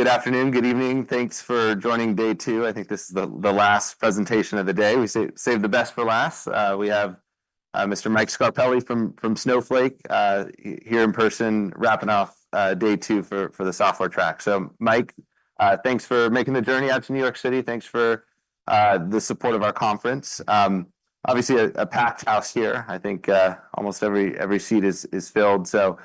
Good afternoon. Good evening. Thanks for joining day two. I think this is the last presentation of the day. We saved the best for last. We have Mr. Mike Scarpelli from Snowflake here in person, wrapping up day two for the software track. So Mike, thanks for making the journey out to New York City. Thanks for the support of our conference. Obviously, a packed house here. I think almost every seat is filled. So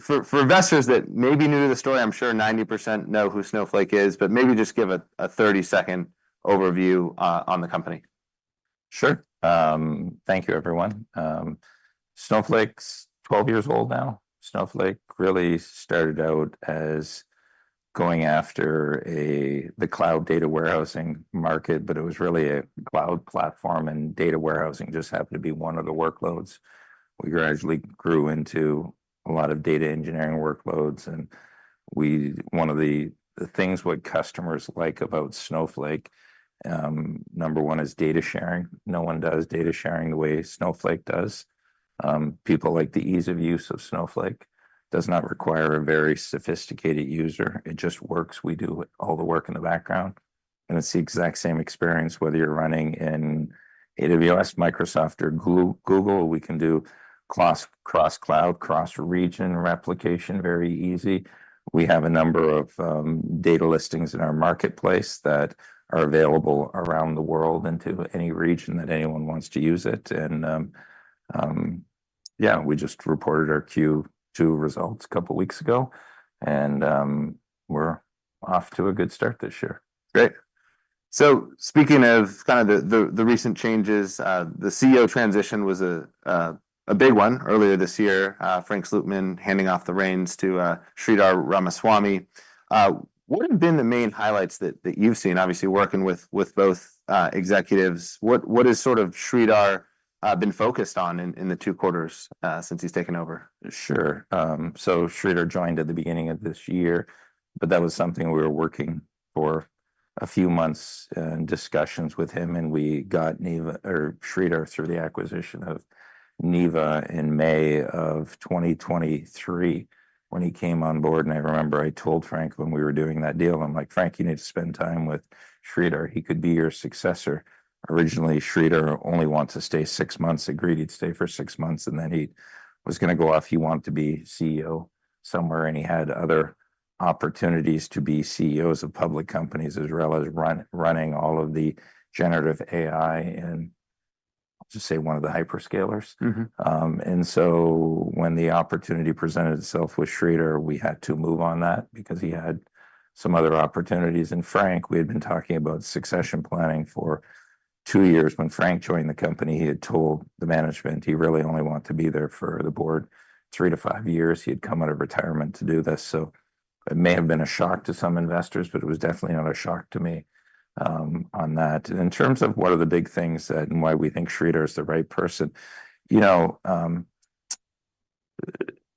for investors that may be new to the story, I'm sure 90% know who Snowflake is, but maybe just give a 30-second overview on the company. Sure. Thank you, everyone. Snowflake's twelve years old now. Snowflake really started out as going after the cloud data warehousing market, but it was really a cloud platform, and data warehousing just happened to be one of the workloads. We gradually grew into a lot of data engineering workloads, and one of the things what customers like about Snowflake, number one, is data sharing. No one does data sharing the way Snowflake does. People like the ease of use of Snowflake. Does not require a very sophisticated user. It just works. We do all the work in the background, and it's the exact same experience, whether you're running in AWS, Microsoft or Google, we can do cross-cloud, cross-region replication, very easy. We have a number of data listings in our marketplace that are available around the world into any region that anyone wants to use it. Yeah, we just reported our Q2 results a couple of weeks ago, and we're off to a good start this year. Great. So speaking of kind of the recent changes, the CEO transition was a big one earlier this year. Frank Slootman handing off the reins to Sridhar Ramaswamy. What have been the main highlights that you've seen, obviously, working with both executives? What has sort of Sridhar been focused on in the two quarters since he's taken over? Sure. So Sridhar joined at the beginning of this year, but that was something we were working for a few months and discussions with him, and we got Neeva- or Sridhar through the acquisition of Neeva in May of 2023, when he came on board. And I remember I told Frank when we were doing that deal, I'm like: "Frank, you need to spend time with Sridhar. He could be your successor." Originally, Sridhar only wanted to stay six months. Agreed he'd stay for six months, and then he was going to go off. He wanted to be CEO somewhere, and he had other opportunities to be CEOs of public companies, as well as running all of the generative AI in, let's just say, one of the hyperscalers. Mm-hmm. And so when the opportunity presented itself with Sridhar, we had to move on that because he had some other opportunities. And Frank, we had been talking about succession planning for two years. When Frank joined the company, he had told the management he really only wanted to be there for about three to five years. He had come out of retirement to do this. So it may have been a shock to some investors, but it was definitely not a shock to me, on that. In terms of what are the big things and why we think Sridhar is the right person, you know,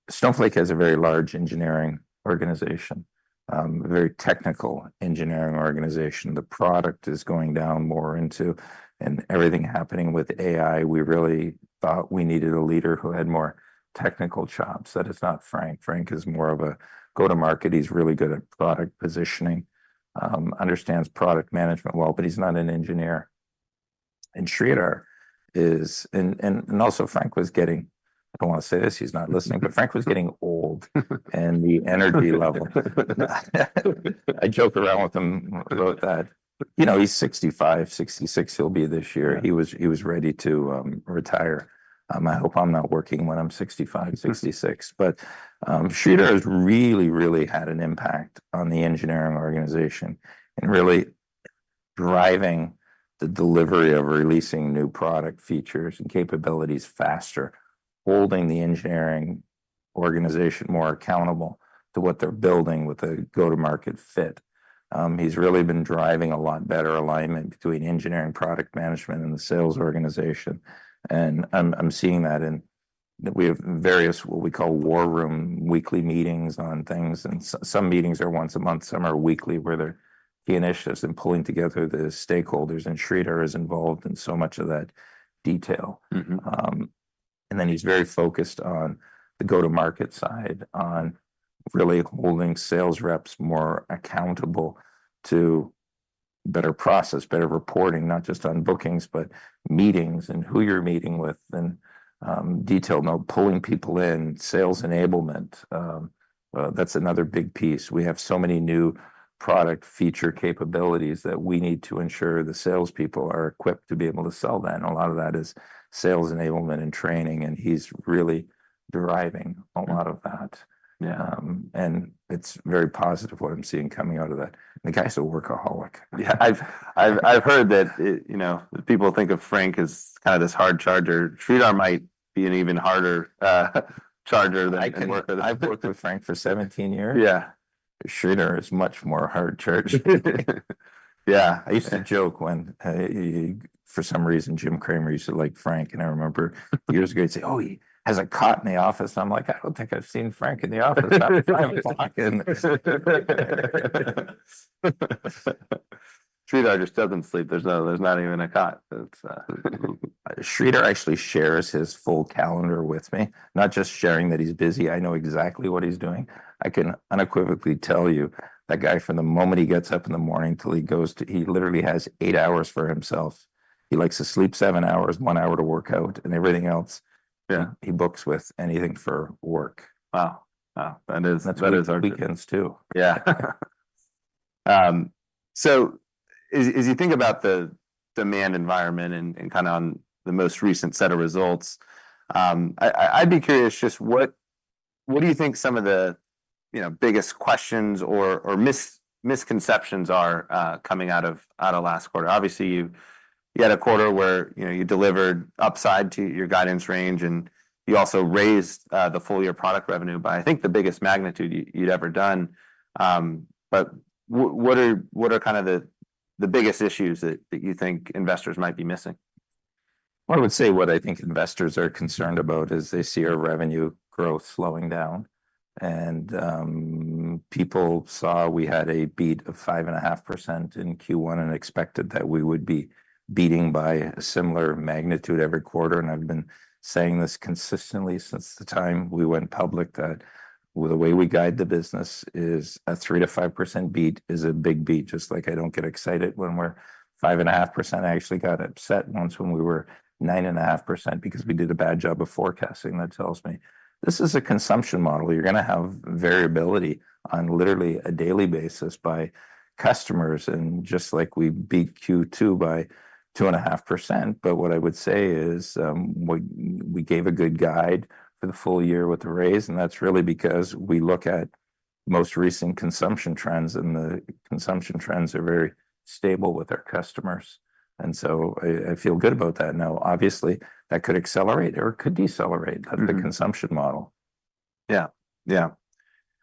Snowflake has a very large engineering organization, a very technical engineering organization. The product is going down more into... And everything happening with AI, we really thought we needed a leader who had more technical chops. That is not Frank. Frank is more of a go-to-market. He's really good at product positioning, understands product management well, but he's not an engineer. And Sridhar is. And also, Frank was getting. I don't want to say this, he's not listening. But Frank was getting old - and the energy level. I joke around with him about that. You know, he's sixty-five, sixty-six he'll be this year. Yeah. He was ready to retire. I hope I'm not working when I'm 65, 66. But Sridhar has really, really had an impact on the engineering organization and really driving the delivery of releasing new product features and capabilities faster, holding the engineering organization more accountable to what they're building with a go-to-market fit. He's really been driving a lot better alignment between engineering, product management, and the sales organization. And I'm seeing that in we have various, what we call war room weekly meetings on things, and some meetings are once a month, some are weekly, where they're he initiates in pulling together the stakeholders, and Sridhar is involved in so much of that detail. Mm-hmm. And then he's very focused on the go-to-market side, on really holding sales reps more accountable to better process, better reporting, not just on bookings, but meetings and who you're meeting with, and detail about pulling people in. Sales enablement, that's another big piece. We have so many new product feature capabilities that we need to ensure the salespeople are equipped to be able to sell that, and a lot of that is sales enablement and training, and he's really deriving a lot of that. Yeah. And it's very positive what I'm seeing coming out of that. The guy's a workaholic. Yeah, I've heard that, you know, people think of Frank as kind of this hard charger. Sridhar might be an even harder charger than and worker than- I've worked with Frank for seventeen years. Yeah. Sridhar is much more hard charger. Yeah. I used to joke when he... For some reason, Jim Cramer used to like Frank, and I remember he was going to say, "Oh, he has a cot in the office." I'm like: "I don't think I've seen Frank in the office after five o'clock." Sridhar just doesn't sleep. There's no, there's not even a cot. It's Sridhar actually shares his full calendar with me. Not just sharing that he's busy, I know exactly what he's doing. I can unequivocally tell you, that guy, from the moment he gets up in the morning till he goes to... He literally has eight hours for himself. He likes to sleep seven hours, one hour to work out, and everything else. Yeah... he books with anything for work. Wow. Wow, that is, that is hard. Weekends, too. Yeah. So as you think about the demand environment and kind of on the most recent set of results, I'd be curious, just what do you think some of the, you know, biggest questions or misconceptions are coming out of last quarter? Obviously, you had a quarter where, you know, you delivered upside to your guidance range, and you also raised the full year product revenue by, I think, the biggest magnitude you'd ever done. But what are kind of the biggest issues that you think investors might be missing? Well, I would say what I think investors are concerned about is they see our revenue growth slowing down, and people saw we had a beat of 5.5% in Q1, and expected that we would be beating by a similar magnitude every quarter. And I've been saying this consistently since the time we went public, that the way we guide the business is a 3%-5% beat is a big beat. Just like I don't get excited when we're 5.5%. I actually got upset once when we were 9.5% because we did a bad job of forecasting. That tells me this is a consumption model. You're gonna have variability on literally a daily basis by customers, and just like we beat Q2 by 2.5%. But what I would say is, we gave a good guide for the full year with the raise, and that's really because we look at most recent consumption trends, and the consumption trends are very stable with our customers. And so I feel good about that. Now, obviously, that could accelerate or it could decelerate- Mm-hmm... the consumption model. Yeah. Yeah.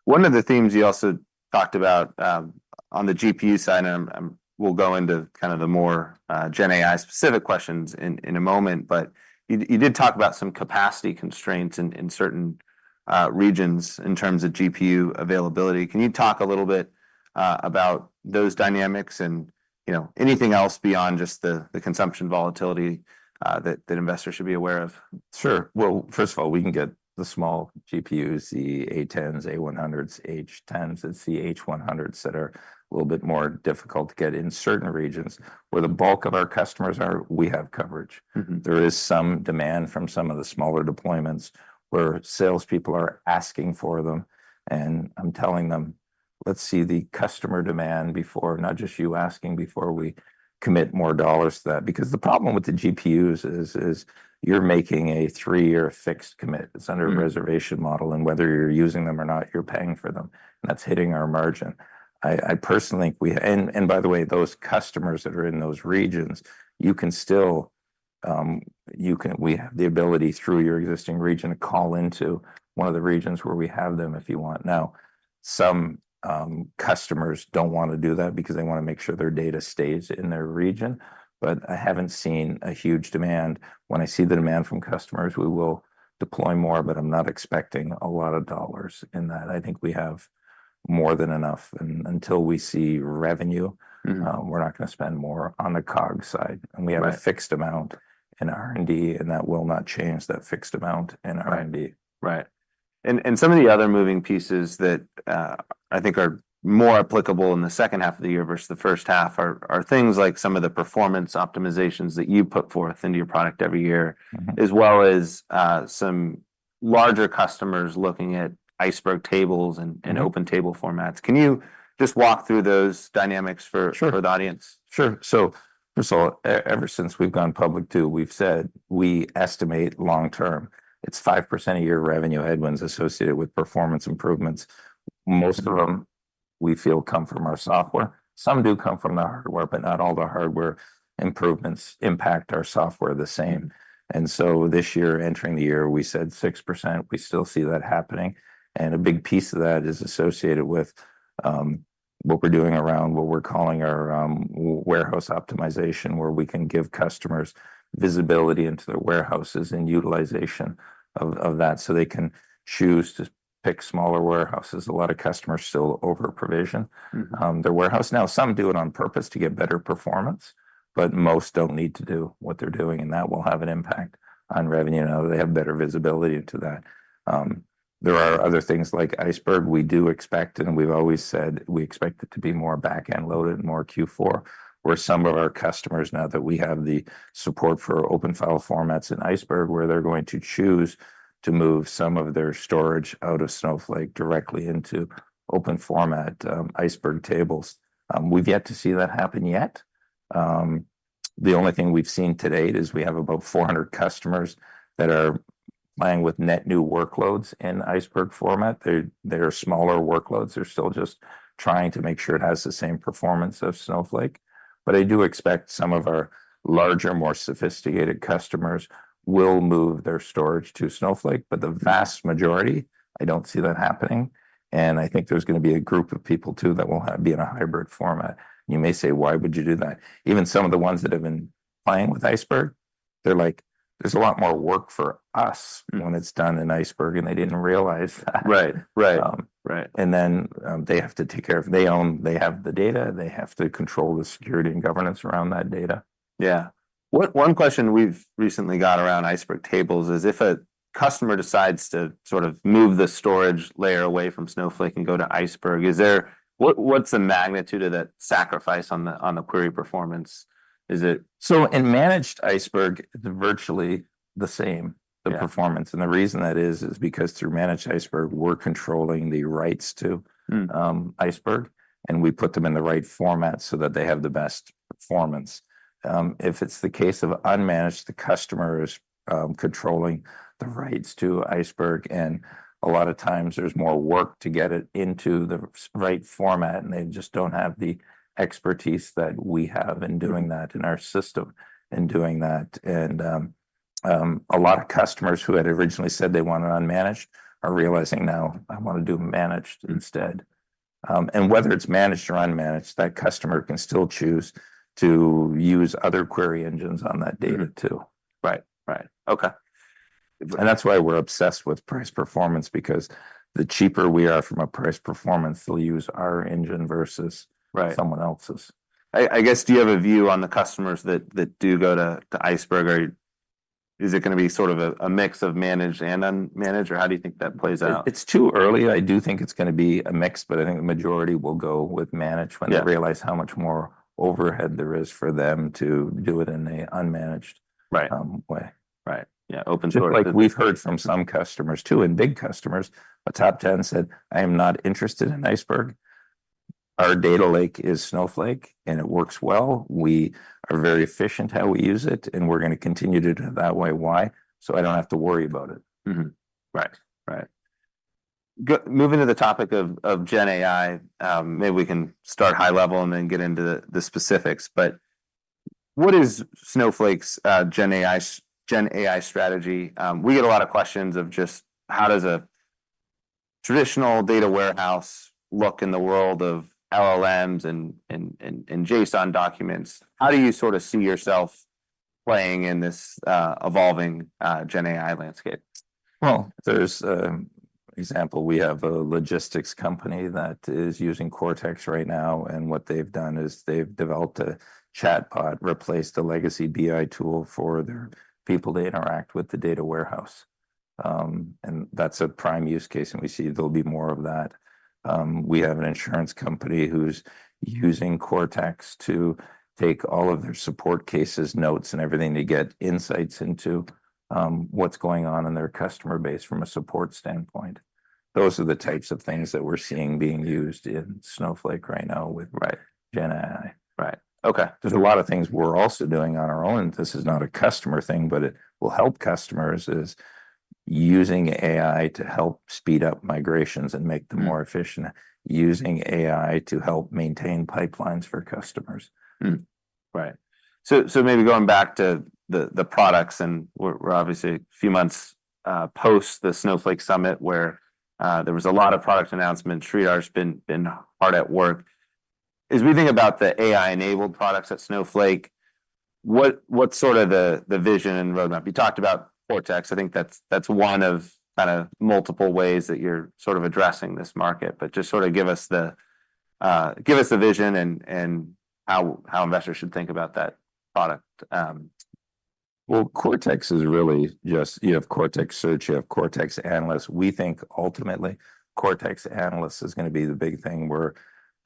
One of the themes you also talked about, on the GPU side, we'll go into kind of the more, GenAI specific questions in a moment, but you did talk about some capacity constraints in certain regions in terms of GPU availability. Can you talk a little bit about those dynamics and, you know, anything else beyond just the consumption volatility that investors should be aware of? Sure. Well, first of all, we can get the small GPUs, the A10s, A100s, it's the H100s that are a little bit more difficult to get in certain regions. Where the bulk of our customers are, we have coverage. Mm-hmm. There is some demand from some of the smaller deployments where salespeople are asking for them, and I'm telling them: "Let's see the customer demand before, not just you asking, before we commit more dollars to that." Because the problem with the GPUs is, you're making a three-year fixed commit. Mm-hmm. It's under a reservation model, and whether you're using them or not, you're paying for them, and that's hitting our margin. I personally... And by the way, those customers that are in those regions, you can still we have the ability, through your existing region, to call into one of the regions where we have them if you want. Now, some customers don't wanna do that because they wanna make sure their data stays in their region, but I haven't seen a huge demand. When I see the demand from customers, we will deploy more, but I'm not expecting a lot of dollars in that. I think we have more than enough, and until we see revenue- Mm-hmm... we're not gonna spend more on the COGS side. Right. We have a fixed amount in R&D, and that will not change. Right. And some of the other moving pieces that I think are more applicable in the second half of the year versus the first half are things like some of the performance optimizations that you put forth into your product every year- Mm-hmm... as well as, some larger customers looking at Iceberg tables and- Mm... and open table formats. Can you just walk through those dynamics for- Sure... for the audience? Sure, so first of all, ever since we've gone public too, we've said we estimate long-term. It's 5% of yearly revenue headwinds associated with performance improvements. Mm-hmm. Most of them, we feel, come from our software. Some do come from the hardware, but not all the hardware improvements impact our software the same. And so this year, entering the year, we said 6%. We still see that happening, and a big piece of that is associated with what we're doing around what we're calling our warehouse optimization, where we can give customers visibility into their warehouses and utilization of that, so they can choose to pick smaller warehouses. A lot of customers still over-provision- Mm-hmm... their warehouse. Now, some do it on purpose to get better performance- Mm... but most don't need to do what they're doing, and that will have an impact on revenue. Now they have better visibility into that. There are other things like Iceberg we do expect, and we've always said we expect it to be more back-end loaded, more Q4, where some of our customers, now that we have the support for open file formats in Iceberg, where they're going to choose to move some of their storage out of Snowflake directly into open format, Iceberg tables. We've yet to see that happen. The only thing we've seen to date is we have about 400 customers that are playing with net new workloads in Iceberg format. They're smaller workloads. They're still just trying to make sure it has the same performance of Snowflake. But I do expect some of our larger, more sophisticated customers will move their storage to Snowflake. Mm. But the vast majority, I don't see that happening, and I think there's gonna be a group of people, too, that will have be in a hybrid format. You may say: "Why would you do that?" Even some of the ones that have been playing with Iceberg... They're like, "There's a lot more work for us- Mm. when it's done in Iceberg," and they didn't realize that. Right. Right. Um. Right. And then, they have to take care of... They own- they have the data, they have to control the security and governance around that data. Yeah. One question we've recently got around Iceberg tables is, if a customer decides to sort of move the storage layer away from Snowflake and go to Iceberg, is there... What's the magnitude of that sacrifice on the query performance? Is it- So in Managed Iceberg, virtually the same- Yeah... the performance. And the reason that is, is because through Managed Iceberg, we're controlling the writes to- Mm... Iceberg, and we put them in the right format so that they have the best performance. If it's the case of unmanaged, the customer is controlling the rights to Iceberg, and a lot of times there's more work to get it into the right format, and they just don't have the expertise that we have in doing that in our system. A lot of customers who had originally said they wanted unmanaged are realizing now, "I wanna do managed instead. Mm. And whether it's managed or unmanaged, that customer can still choose to use other query engines on that data too. Right. Right. Okay. And that's why we're obsessed with price performance, because the cheaper we are from a price performance, they'll use our engine versus- Right... someone else's. I guess, do you have a view on the customers that do go to Iceberg, or is it gonna be sort of a mix of managed and unmanaged, or how do you think that plays out? It, it's too early. I do think it's gonna be a mix, but I think the majority will go with managed- Yeah... when they realize how much more overhead there is for them to do it in an unmanaged- Right... way. Right, yeah. Open source- Just like we've heard from some customers, too, and big customers, a top 10 said, "I am not interested in Iceberg. Our data lake is Snowflake and it works well. We are very efficient how we use it, and we're gonna continue to do it that way. Why? So I don't have to worry about it. Mm-hmm. Right. Right. Moving to the topic of GenAI, maybe we can start high level and then get into the specifics. But what is Snowflake's GenAI strategy? We get a lot of questions of just how does a traditional data warehouse look in the world of LLMs and JSON documents? How do you sort of see yourself playing in this evolving GenAI landscape? Well, there's an example. We have a logistics company that is using Cortex right now, and what they've done is they've developed a chatbot, replaced a legacy BI tool for their people to interact with the data warehouse. And that's a prime use case, and we see there'll be more of that. We have an insurance company who's using Cortex to take all of their support cases, notes, and everything, to get insights into what's going on in their customer base from a support standpoint. Those are the types of things that we're seeing being used in Snowflake right now with- Right... GenAI. Right. Okay. There's a lot of things we're also doing on our own. This is not a customer thing, but it will help customers, is using AI to help speed up migrations and make them... Mm... more efficient. Using AI to help maintain pipelines for customers. Right. So, so maybe going back to the, the products, and we're, we're obviously a few months post the Snowflake Summit, where there was a lot of product announcements. Sridhar's been, been hard at work. As we think about the AI-enabled products at Snowflake, what's sort of the, the vision and roadmap? You talked about Cortex. I think that's, that's one of kinda multiple ways that you're sort of addressing this market. But just sort of give us the, give us the vision and, and how, how investors should think about that product. Well, Cortex is really just... You have Cortex Search, you have Cortex Analyst. We think ultimately Cortex Analyst is gonna be the big thing, where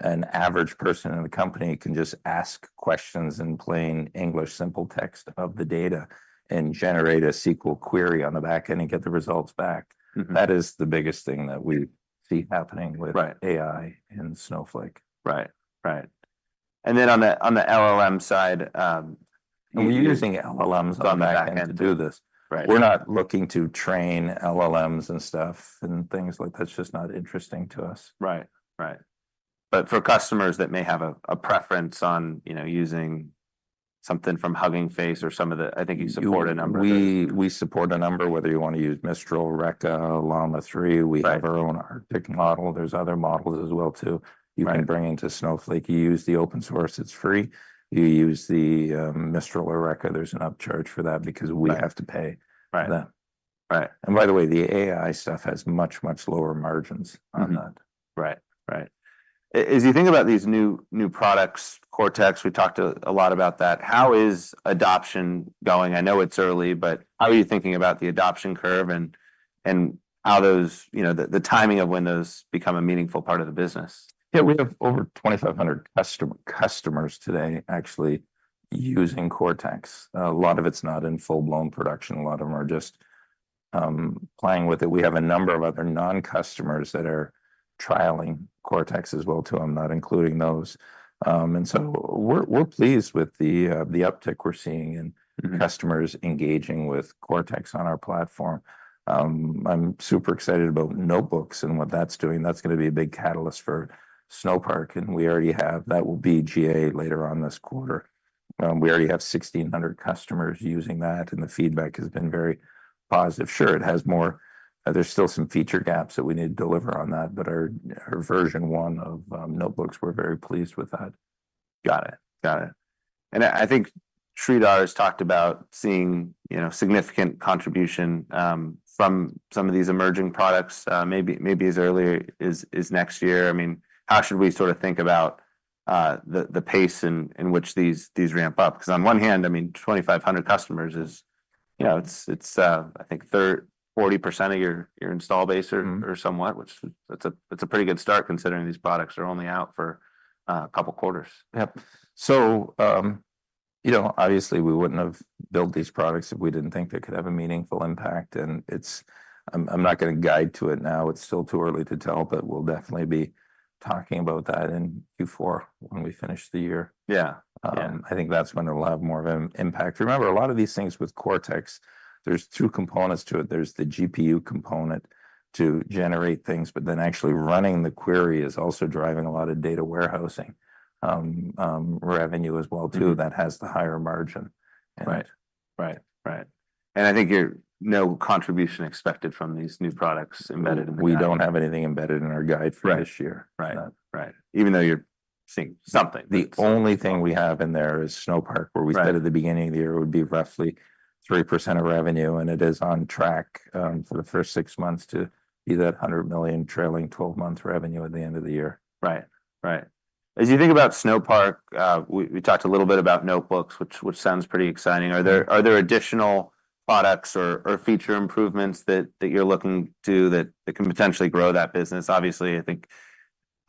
an average person in the company can just ask questions in plain English, simple text, of the data and generate a SQL query on the back end and get the results back. Mm-hmm. That is the biggest thing that we see happening with- Right... AI and Snowflake. Right. Right. And then on the LLM side, using- We're using LLMs on the back end to do this. Right. We're not looking to train LLMs and stuff, and things like... That's just not interesting to us. Right. Right. But for customers that may have a preference on, you know, using something from Hugging Face or some of the... I think you support a number- We support a number, whether you want to use Mistral, Reka, Llama 3- Right... we have our own Arctic model. There's other models as well, too- Right... you can bring into Snowflake. You use the open source, it's free. You use the, Mistral or Reka, there's an upcharge for that because we- Right... have to pay- Right... them. Right. By the way, the AI stuff has much, much lower margins on that. Mm-hmm. Right. Right. As you think about these new, new products, Cortex, we talked a lot about that, how is adoption going? I know it's early, but how are you thinking about the adoption curve and how those... You know, the timing of when those become a meaningful part of the business? Yeah, we have over 2,500 customers today actually using Cortex. A lot of it's not in full-blown production, a lot of them are just playing with it. We have a number of other non-customers that are trialing Cortex as well too. I'm not including those. So we're pleased with the uptick we're seeing in- Mm-hmm... customers engaging with Cortex on our platform. I'm super excited about Notebooks and what that's doing. That's gonna be a big catalyst for Snowpark. That will be GA later on this quarter. We already have 1,600 customers using that, and the feedback has been very positive. Sure, it has more. There's still some feature gaps that we need to deliver on that, but our version one of Notebooks, we're very pleased with that. Got it. I think Sridhar has talked about seeing, you know, significant contribution from some of these emerging products, maybe as early as next year. I mean, how should we sort of think about the pace in which these ramp up? 'Cause on one hand, I mean, 2,500 customers is, you know, it's 40% of your install base. Mm-hmm... or somewhat, which it's a pretty good start, considering these products are only out for a couple quarters. Yep. So, you know, obviously, we wouldn't have built these products if we didn't think they could have a meaningful impact, and I'm not gonna guide to it now. It's still too early to tell, but we'll definitely be talking about that in Q4 when we finish the year. Yeah. Yeah. I think that's when it will have more of an impact. Remember, a lot of these things with Cortex, there's two components to it. There's the GPU component to generate things, but then actually running the query is also driving a lot of data warehousing, revenue as well, too. Mm-hmm. That has the higher margin. Right. And I think you're... No contribution expected from these new products embedded in the- We don't have anything embedded in our guide for this year. Right. Even though you're seeing something. The only thing we have in there is Snowpark- Right... where we said at the beginning of the year it would be roughly 3% of revenue, and it is on track for the first six months to be that $100 million trailing twelve-month revenue at the end of the year. Right. As you think about Snowpark, we talked a little bit about Notebooks, which sounds pretty exciting. Mm-hmm. Are there additional products or feature improvements that you're looking to that can potentially grow that business? Obviously, I think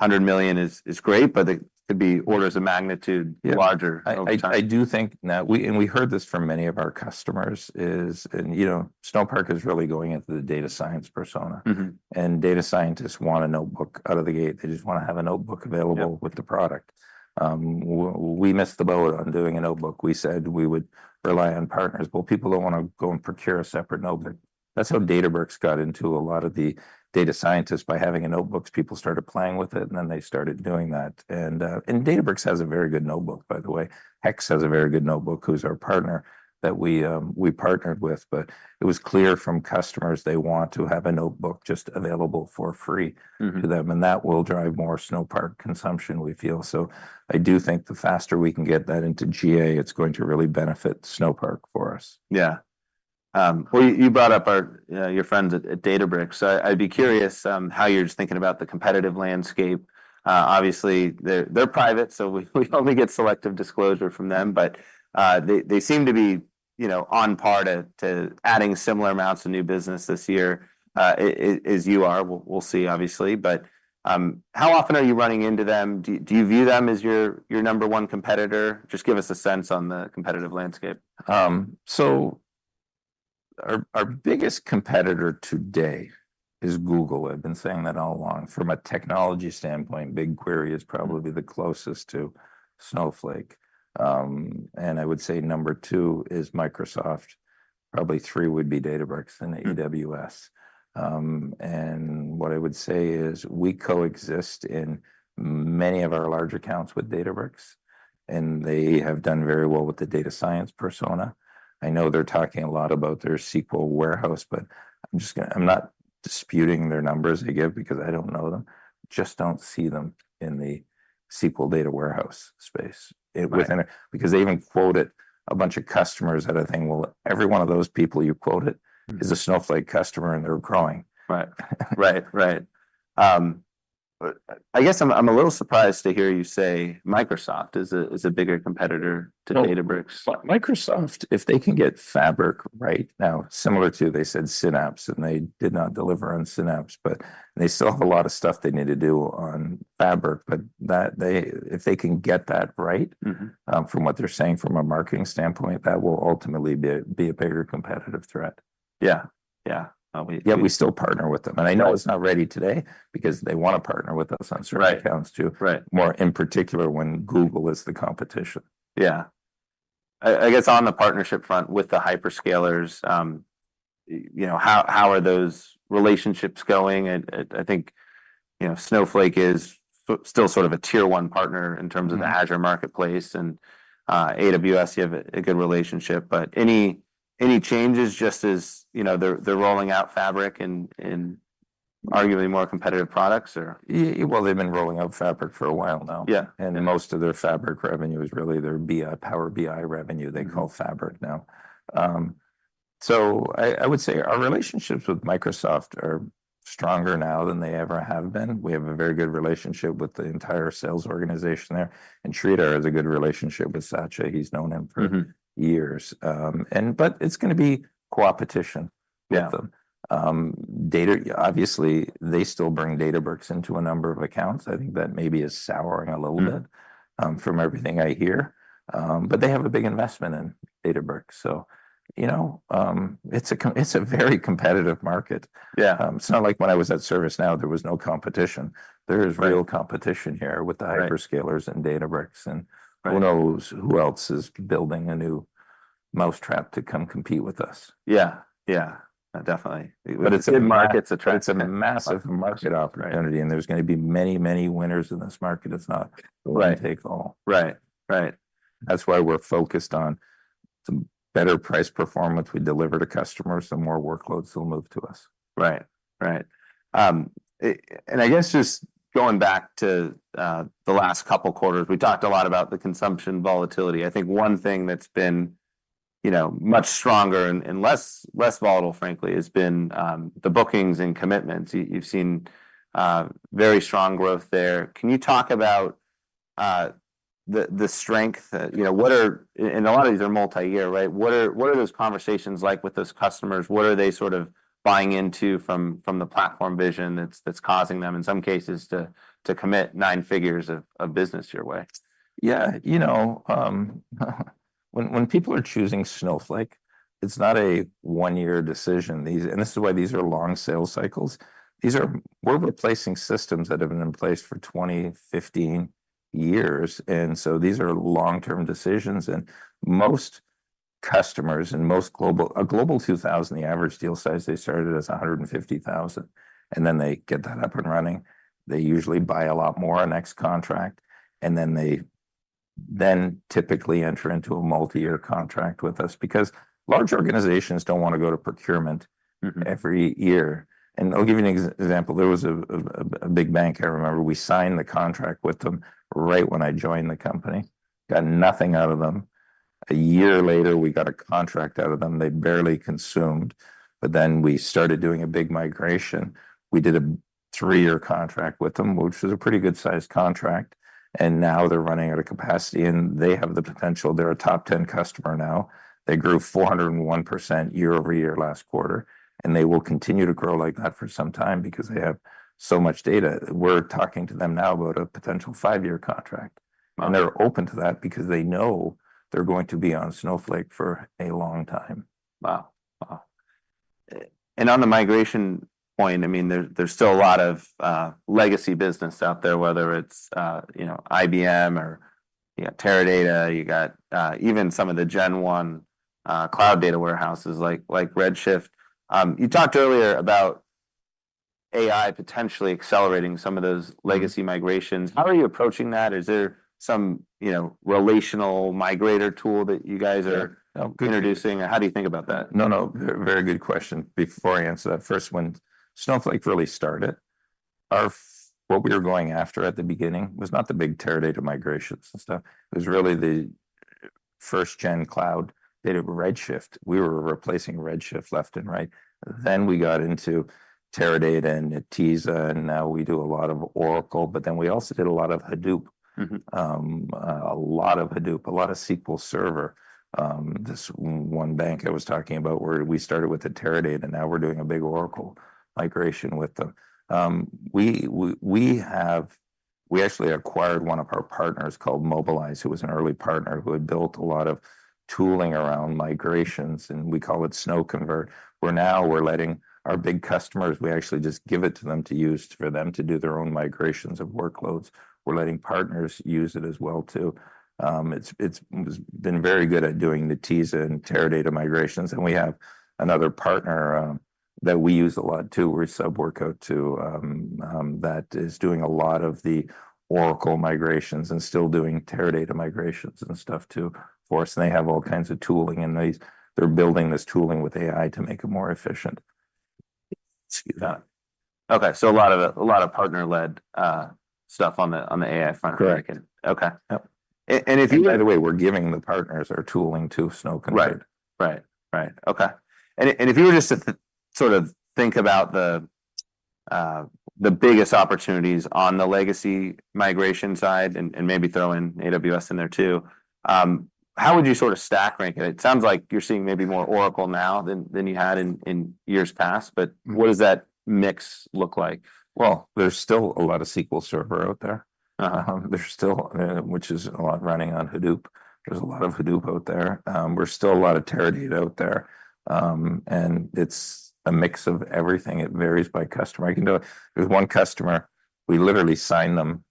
$100 million is great, but they could be orders of magnitude- Yeah... larger over time. I do think, Matt, we, and we heard this from many of our customers, and you know, Snowpark is really going after the data science persona. Mm-hmm. And data scientists want a notebook out of the gate. They just want to have a notebook available- Yeah... with the product. We missed the boat on doing a notebook. We said we would rely on partners, but people don't want to go and procure a separate notebook. That's how Databricks got into a lot of the data scientists. By having a notebooks, people started playing with it, and then they started doing that. And, and Databricks has a very good notebook, by the way. Hex has a very good notebook, who's our partner, that we partnered with. But it was clear from customers they want to have a notebook just available for free- Mm-hmm... to them, and that will drive more Snowpark consumption, we feel, so I do think the faster we can get that into GA, it's going to really benefit Snowpark for us. Yeah. Well, you brought up your friends at Databricks. So I'd be curious how you're thinking about the competitive landscape. Obviously, they're private, so we probably get selective disclosure from them, but they seem to be, you know, on par to adding similar amounts of new business this year, as you are. We'll see, obviously. But how often are you running into them? Do you view them as your number one competitor? Just give us a sense on the competitive landscape. So our biggest competitor today is Google. I've been saying that all along. From a technology standpoint, BigQuery is probably the closest to Snowflake. And I would say number two is Microsoft, probably three would be Databricks- Mm-hmm... and AWS. And what I would say is we coexist in many of our large accounts with Databricks, and they have done very well with the data science persona. I know they're talking a lot about their SQL Warehouse, but I'm not disputing their numbers they give because I don't know them. Just don't see them in the SQL data warehouse space- Right... within it. Because they even quoted a bunch of customers that I think, "Well, every one of those people you quoted- Mm-hmm... is a Snowflake customer, and they're growing. Right, but I guess I'm a little surprised to hear you say Microsoft is a bigger competitor to Databricks. Microsoft, if they can get Fabric right. Now, similar to they said Synapse, and they did not deliver on Synapse, but they still have a lot of stuff they need to do on Fabric. But if they can get that right- Mm-hmm... from what they're saying from a marketing standpoint, that will ultimately be a bigger competitive threat. Yeah. Yeah, we Yet we still partner with them. Right. I know it's not ready today because they want to partner with us on certain- Right... accounts too. Right. More in particular, when Google is the competition. Yeah. I guess on the partnership front with the hyperscalers, you know, how are those relationships going? I think, you know, Snowflake is still sort of a tier one partner in terms of- Mm-hmm... the Azure marketplace, and AWS, you have a good relationship. But any changes just as, you know, they're rolling out Fabric and arguably more competitive products or- Yeah, well, they've been rolling out Fabric for a while now. Yeah. Most of their Fabric revenue is really their BI, Power BI revenue- Mm-hmm... they call Fabric now. So I would say our relationships with Microsoft are stronger now than they ever have been. We have a very good relationship with the entire sales organization there, and Sridhar has a good relationship with Satya. He's known him for- Mm-hmm... years. And but it's gonna be coopetition- Yeah... with them. Data, obviously, they still bring Databricks into a number of accounts. I think that maybe is souring a little bit. Mm... from everything I hear. But they have a big investment in Databricks, so you know, it's a very competitive market. Yeah. It's not like when I was at ServiceNow, there was no competition. Right. There is real competition here with the- Right... hyperscalers and Databricks, and- Right... who knows who else is building a new mousetrap to come compete with us? Yeah, yeah. Definitely. But it's a- Big markets attract- It's a massive market opportunity- Right... and there's gonna be many, many winners in this market. It's not- Right... a winner-take-all. Right, right. That's why we're focused on the better price performance we deliver to customers, the more workloads they'll move to us. Right. Right. And I guess just going back to the last couple quarters, we talked a lot about the consumption volatility. I think one thing that's been, you know, much stronger and less volatile, frankly, has been the bookings and commitments. You've seen very strong growth there. Can you talk about the strength that... You know, what are... And a lot of these are multi-year, right? What are those conversations like with those customers? What are they sort of buying into from the platform vision that's causing them, in some cases, to commit nine figures of business your way? Yeah. You know, when people are choosing Snowflake, it's not a one-year decision. This is why these are long sales cycles. We're replacing systems that have been in place for 15-20 years, and so these are long-term decisions, and most customers and most of the Global 2000, the average deal size, they started as $150,000, and then they get that up and running. They usually buy a lot more in our next contract, and they typically enter into a multi-year contract with us. Because large organizations don't want to go to procurement- Mm-hmm... every year. And I'll give you an example. There was a big bank I remember. We signed the contract with them right when I joined the company, got nothing out of them. A year later, we got a contract out of them. They barely consumed, but then we started doing a big migration. We did a three-year contract with them, which was a pretty good-sized contract, and now they're running out of capacity, and they have the potential. They're a top 10 customer now. They grew 401% year over year, last quarter, and they will continue to grow like that for some time because they have so much data. We're talking to them now about a potential five-year contract- Wow. and they're open to that because they know they're going to be on Snowflake for a long time. Wow. Wow. And on the migration point, I mean, there's still a lot of legacy business out there, whether it's you know, IBM or you know, Teradata. You got even some of the Gen1 cloud data warehouses like Redshift. You talked earlier about AI potentially accelerating some of those legacy migrations. Mm-hmm. How are you approaching that? Is there some, you know, relational migrator tool that you guys are- Yeah... introducing, or how do you think about that? No, no, very good question. Before I answer that, first, when Snowflake really started, what we were going after at the beginning was not the big Teradata migrations and stuff. It was really the first gen cloud, data Redshift. We were replacing Redshift left and right. Then we got into Teradata and Netezza, and now we do a lot of Oracle, but then we also did a lot of Hadoop. Mm-hmm. A lot of Hadoop, a lot of SQL Server. This one bank I was talking about, where we started with the Teradata, and now we're doing a big Oracle migration with them. We actually acquired one of our partners called Mobilize, who was an early partner, who had built a lot of tooling around migrations, and we call it SnowConvert, where now we're letting our big customers... We actually just give it to them to use for them to do their own migrations of workloads. We're letting partners use it as well, too. It's been very good at doing Netezza and Teradata migrations, and we have another partner that we use a lot, too, or subcontract to that is doing a lot of the Oracle migrations and still doing Teradata migrations and stuff, too, for us. They have all kinds of tooling, and they're building this tooling with AI to make it more efficient. I see that. Okay, so a lot of partner-led stuff on the AI front- Correct. Okay. Yep. And if you- And by the way, we're giving the partners our tooling too, SnowConvert. Right. Okay. And if you were just to sort of think about the biggest opportunities on the legacy migration side, and maybe throw in AWS in there, too, how would you sort of stack rank it? It sounds like you're seeing maybe more Oracle now than you had in years past, but- Mm... what does that mix look like? There's still a lot of SQL Server out there. Uh. There's still, which is a lot running on Hadoop. There's a lot of Hadoop out there. There's still a lot of Teradata out there. And it's a mix of everything. It varies by customer. I can tell, there's one customer, we literally signed them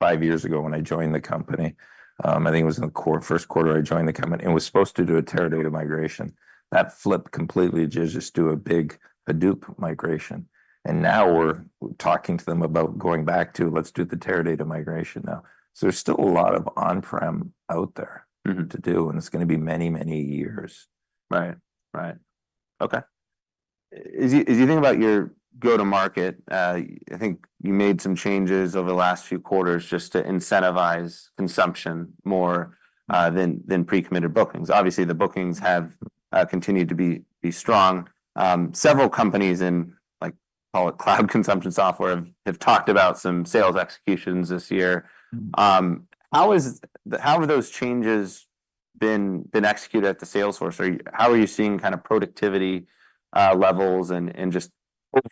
five years ago when I joined the company. I think it was in the first quarter I joined the company, and was supposed to do a Teradata migration. That flipped completely, just do a big Hadoop migration, and now we're talking to them about going back to, "Let's do the Teradata migration now." So there's still a lot of on-prem out there. Mm-hmm... to do, and it's gonna be many, many years. Right. Right. Okay. As you think about your go-to-market, I think you made some changes over the last few quarters just to incentivize consumption more than pre-committed bookings. Obviously, the bookings have continued to be strong. Several companies in, like, call it cloud consumption software, have talked about some sales executions this year. Mm. How have those changes been executed at the sales force? Or how are you seeing kind of productivity levels and just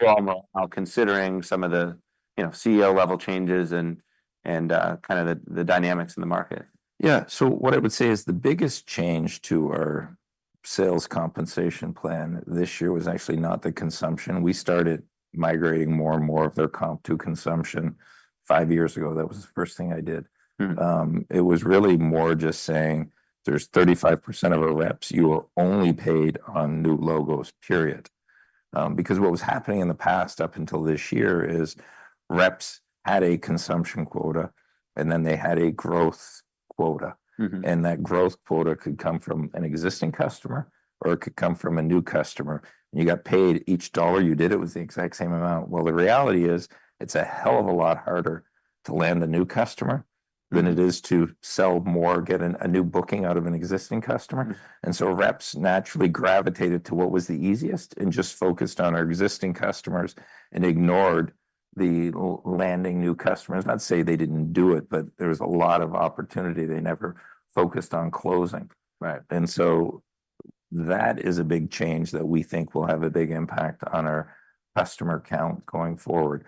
overall considering some of the, you know, CEO-level changes and kind of the dynamics in the market? Yeah, so what I would say is the biggest change to our sales compensation plan this year was actually not the consumption. We started migrating more and more of their comp to consumption five years ago. That was the first thing I did. Mm. It was really more just saying there's 35% of our reps, you are only paid on new logos, period. Because what was happening in the past, up until this year, is reps had a consumption quota and then they had a growth quota. Mm-hmm. That growth quota could come from an existing customer, or it could come from a new customer, and you got paid each dollar you did. It was the exact same amount. The reality is, it's a hell of a lot harder to land a new customer than it is to sell more, get a new booking out of an existing customer. Mm. And so reps naturally gravitated to what was the easiest, and just focused on our existing customers and ignored the landing new customers. Not to say they didn't do it, but there was a lot of opportunity they never focused on closing. Right. And so that is a big change that we think will have a big impact on our customer count going forward.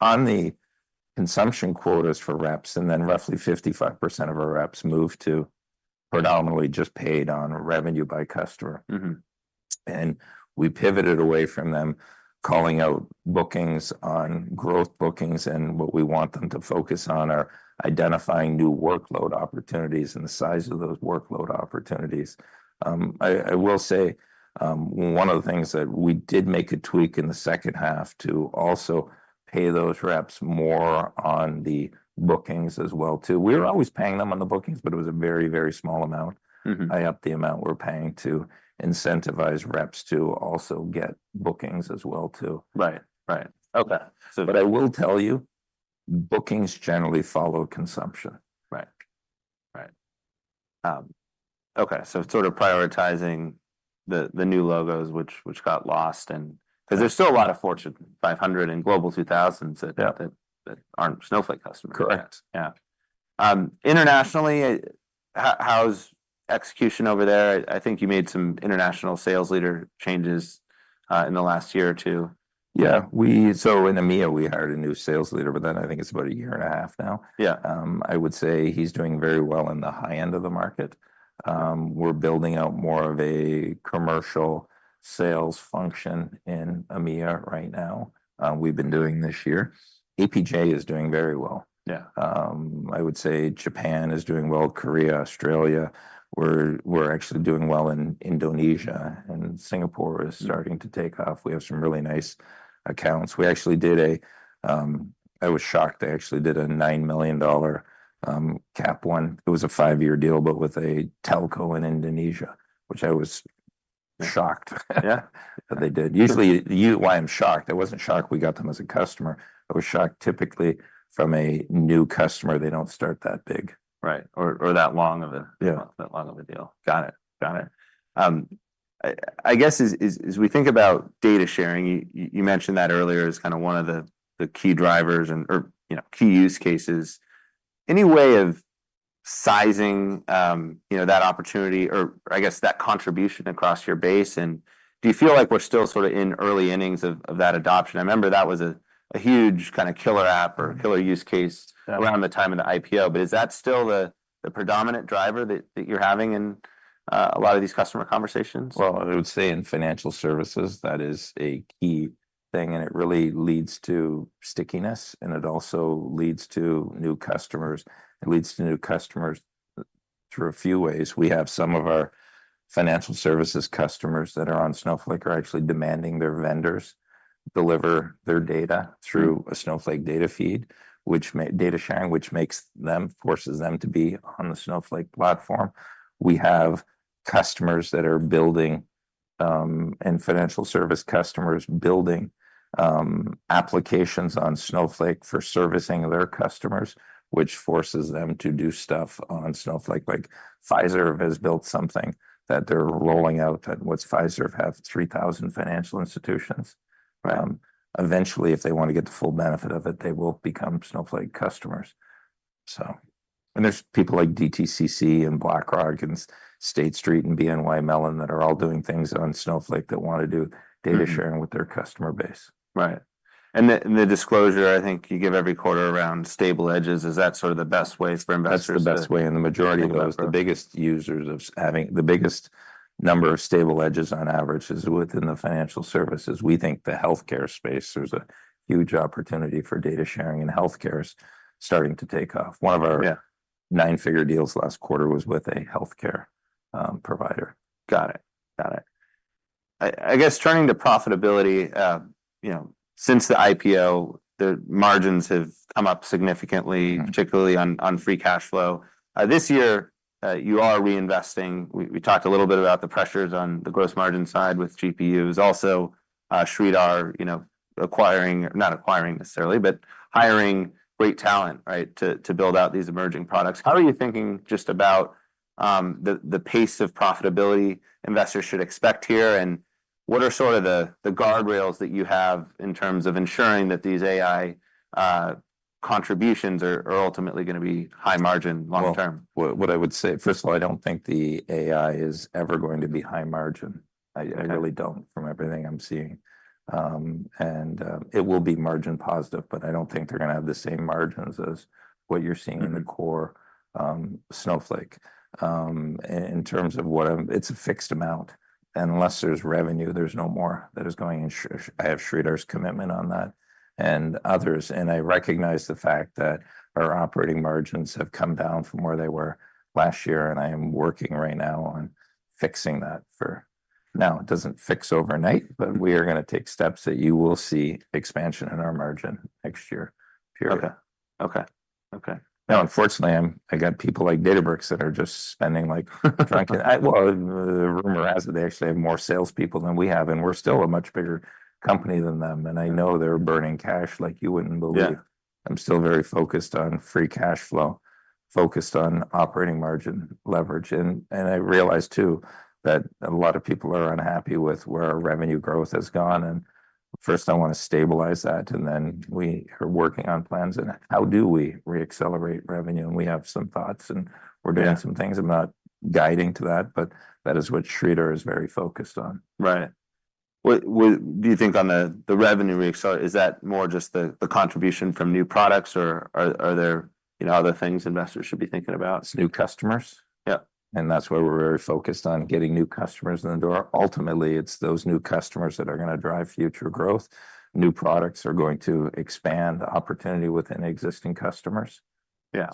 On the consumption quotas for reps, and then roughly 55% of our reps moved to predominantly just paid on revenue by customer. Mm-hmm. We pivoted away from them, calling out bookings on growth bookings, and what we want them to focus on are identifying new workload opportunities and the size of those workload opportunities. I will say, one of the things that we did make a tweak in the second half to also pay those reps more on the bookings as well, too. Right. We were always paying them on the bookings, but it was a very, very small amount. Mm-hmm. I upped the amount we're paying to incentivize reps to also get bookings as well, too. Right. Right. Okay, so. But I will tell you, bookings generally follow consumption. Right. Right. Okay, so sort of prioritizing the new logos which got lost, and... 'Cause there's still a lot of Fortune 500 and Global 2000- Yeah... that aren't Snowflake customers. Correct. Yeah. Internationally, how's execution over there? I think you made some international sales leader changes in the last year or two. Yeah, so in EMEA we hired a new sales leader, but then I think it's about a year and a half now. Yeah. I would say he's doing very well in the high end of the market. We're building out more of a commercial sales function in EMEA right now, we've been doing this year. APJ is doing very well. Yeah. I would say Japan is doing well, Korea, Australia. We're actually doing well in Indonesia, and Singapore. Mm... is starting to take off. We have some really nice accounts. We actually did. I was shocked, they actually did a $9 million cap one. It was a five-year deal, but with a telco in Indonesia, which I was shocked- Yeah... that they did. Usually, why I'm shocked, I wasn't shocked we got them as a customer, I was shocked typically from a new customer they don't start that big. Right, or that long of a- Yeah... that long of a deal. Got it. Got it. I guess as we think about data sharing, you mentioned that earlier as kinda one of the key drivers and, or you know, key use cases. Any way of sizing, you know, that opportunity or I guess that contribution across your base? And do you feel like we're still sorta in early innings of that adoption? I remember that was a huge kinda killer app or killer use case- Yeah... around the time of the IPO, but is that still the predominant driver that you're having in a lot of these customer conversations? I would say in financial services, that is a key thing, and it really leads to stickiness, and it also leads to new customers. It leads to new customers through a few ways. We have some of our financial services customers that are on Snowflake are actually demanding their vendors deliver their data through a Snowflake data feed, which data sharing, which makes them, forces them to be on the Snowflake platform. We have customers that are building, and financial service customers building, applications on Snowflake for servicing their customers, which forces them to do stuff on Snowflake. Like Fiserv has built something that they're rolling out, and what's Fiserv have? 3,000 financial institutions. Right. Eventually, if they want to get the full benefit of it, they will become Snowflake customers, so... And there's people like DTCC, and BlackRock, and State Street, and BNY Mellon, that are all doing things on Snowflake that want to do data sharing- Mm... with their customer base. Right. And the disclosure, I think you give every quarter around stable edges, is that sort of the best way for investors to- That's the best way, and the majority- Okay... of the biggest users of having the biggest number of stable edges on average is within the financial services. We think the healthcare space, there's a huge opportunity for data sharing, and healthcare is starting to take off. Yeah. One of our nine-figure deals last quarter was with a healthcare provider. Got it. Got it. I guess turning to profitability, you know, since the IPO, the margins have come up significantly- Mm... particularly on free cash flow. This year, you are reinvesting. We talked a little bit about the pressures on the gross margin side with GPUs. Also, Sridhar, you know, acquiring, not acquiring necessarily, but hiring great talent, right, to build out these emerging products. How are you thinking just about the pace of profitability investors should expect here, and what are sort of the guardrails that you have in terms of ensuring that these AI contributions are ultimately gonna be high margin long term? What I would say, first of all, I don't think the AI is ever going to be high margin. Okay. I really don't, from everything I'm seeing. It will be margin positive, but I don't think they're gonna have the same margins as what you're seeing- Mm... in the core Snowflake. In terms of what I... It's a fixed amount, and unless there's revenue, there's no more that is going in. I have Sridhar's commitment on that and others, and I recognize the fact that our operating margins have come down from where they were last year, and I am working right now on fixing that... Now, it doesn't fix overnight, but we are gonna take steps that you will see expansion in our margin next year, period. Okay. Now, unfortunately, I got people like Databricks that are just spending, like. Well, the rumor has it they actually have more salespeople than we have, and we're still a much bigger company than them, and I know they're burning cash like you wouldn't believe. Yeah. I'm still very focused on free cash flow, focused on operating margin leverage. And I realize, too, that a lot of people are unhappy with where our revenue growth has gone, and first I wanna stabilize that, and then we are working on plans. And how do we re-accelerate revenue? And we have some thoughts, and we're- Yeah... doing some things. I'm not guiding to that, but that is what Sridhar is very focused on. Right. What do you think on the revenue reaccel- is that more just the contribution from new products, or are there, you know, other things investors should be thinking about? New customers. Yeah. And that's where we're very focused on getting new customers in the door. Ultimately, it's those new customers that are gonna drive future growth. New products are going to expand the opportunity within existing customers. Yeah.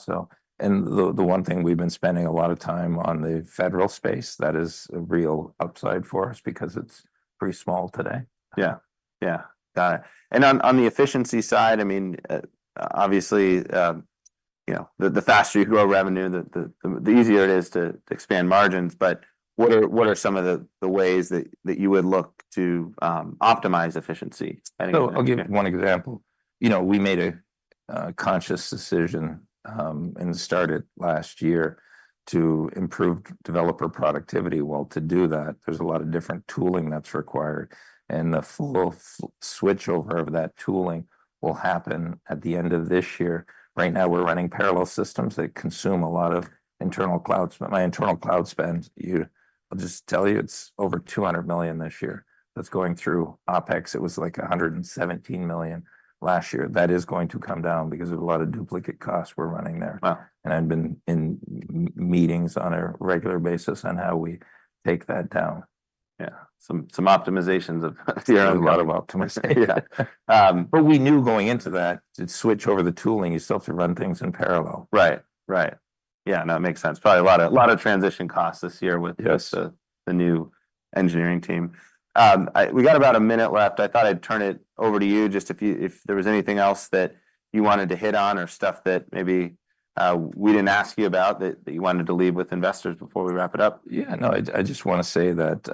The one thing we've been spending a lot of time on, the federal space, that is a real upside for us because it's pretty small today. Yeah, yeah. Got it. And on the efficiency side, I mean, obviously, you know, the faster you grow revenue, the easier it is to expand margins, but what are some of the ways that you would look to optimize efficiency, spending- So I'll give you one example. You know, we made a conscious decision and started last year to improve developer productivity. Well, to do that, there's a lot of different tooling that's required, and the full switchover of that tooling will happen at the end of this year. Right now we're running parallel systems that consume a lot of internal cloud spend. My internal cloud spend, I'll just tell you, it's over $200 million this year that's going through OpEx. It was, like, $117 million last year. That is going to come down because there's a lot of duplicate costs we're running there. Wow. And I've been in meetings on a regular basis on how we take that down. Yeah, some optimizations. A lot of optimization. Yeah. Um- But we knew going into that, to switch over the tooling, you still have to run things in parallel. Right. Right. Yeah, no, it makes sense. Probably a lot of, a lot of transition costs this year with- Yes... the new engineering team. We got about a minute left. I thought I'd turn it over to you, just if there was anything else that you wanted to hit on or stuff that maybe we didn't ask you about, that you wanted to leave with investors before we wrap it up. Yeah, no, I just wanna say that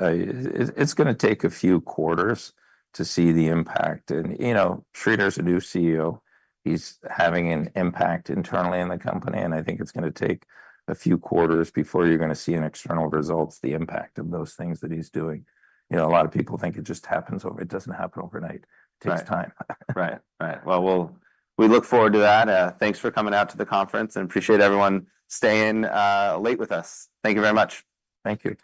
it's gonna take a few quarters to see the impact. And, you know, Sridhar's a new CEO. He's having an impact internally in the company, and I think it's gonna take a few quarters before you're gonna see in external results the impact of those things that he's doing. You know, a lot of people think it just happens. It doesn't happen overnight. Right. It takes time. Right. Right. Well, we'll look forward to that. Thanks for coming out to the conference, and appreciate everyone staying late with us. Thank you very much. Thank you.